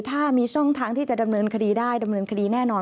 ถ้ามีช่องทางที่จะดำเนินคดีได้ดำเนินคดีแน่นอน